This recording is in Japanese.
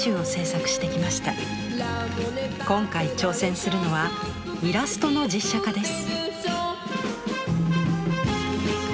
今回挑戦するのはイラストの実写化です。